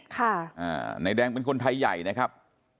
นายแดงเป็นคนไทยใหญ่นะครับ